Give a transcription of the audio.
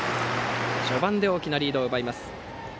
序盤で大きなリードを奪います。